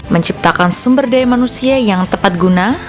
menciptakan sumber daya manusia yang tepat guna